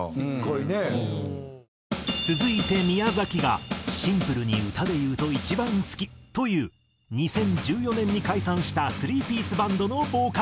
続いて宮崎がシンプルに歌で言うと一番好きという２０１４年に解散したスリーピースバンドのボーカリスト。